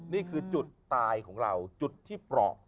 นี่คือจุดตายของเราจุดที่เปราะ